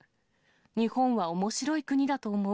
日本はおもしろい国だと思う。